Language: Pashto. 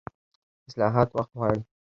اصلاحات وخت غواړي